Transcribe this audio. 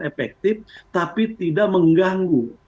efektif tapi tidak mengganggu